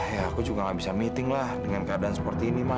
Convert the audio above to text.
ya aku juga gak bisa meeting lah dengan keadaan seperti ini mah